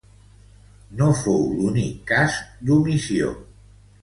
No fou l’únic cas d’omissió.